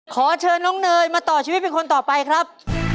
ขอเชิญน้องเนยมาต่อชีวิตเป็นคนต่อไปครับ